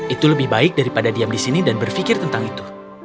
itu lebih baik daripada diam di sini dan berpikir tentang itu